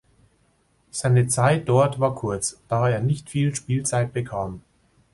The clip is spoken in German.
Seine Zeit dort war kurz, da er nicht viel Spielzeit bekam.